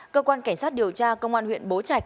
cơ quan cảnh sát điều tra công an huyện bố trạch